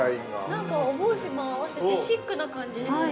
◆なんか、お帽子も合わせてシックな感じですね。